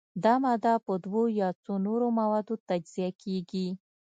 دا ماده په دوو یا څو نورو موادو تجزیه کیږي.